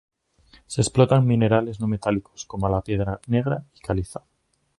Se explotan minerales no metálicos como la piedra negra y caliza.